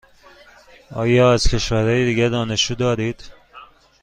آیا از کشورهای دیگر دانشجو دارید؟